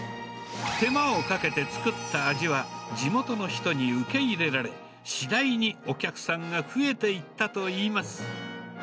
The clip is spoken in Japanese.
手間をかけて作った味は、地元の人に受け入れられ、次第にお客さんが増えていったといいます。